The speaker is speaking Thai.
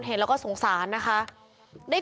ลูกนั่นแหละที่เป็นคนผิดที่ทำแบบนี้